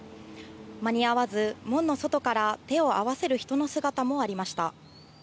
間に合わず、門の外から手を合わせる人の姿もありました。